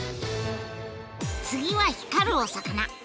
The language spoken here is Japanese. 次は光るお魚。